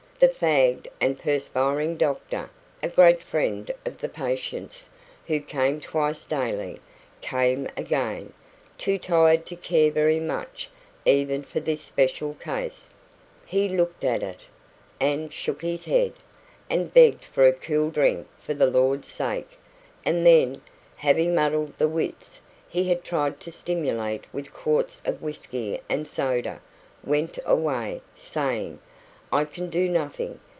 The fagged and perspiring doctor (a great friend of the patient's), who came twice daily, came again, too tired to care very much even for this special case. He looked at it, and shook his head, and begged for a cool drink for the Lord's sake; and then, having muddled the wits he had tried to stimulate with quarts of whisky and soda, went away, saying: "I can do nothing.